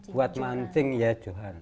buat mancing ya johan